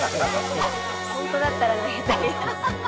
ホントだったら投げたい。